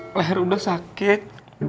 leher uda sakit